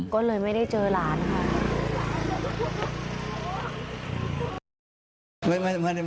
ก็เลยไม่ได้เจอหลานค่ะ